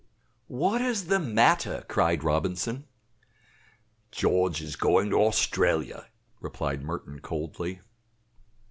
"What is the matter?" cried Robinson. "George is going to Australia," replied Merton, coldly.